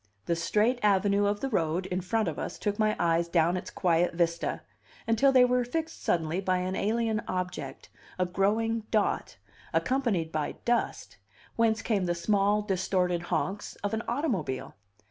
The straight avenue of the road in front of us took my eyes down its quiet vista, until they were fixed suddenly by an alien object, a growing dot, accompanied by dust, whence came the small, distorted honks of an automobile.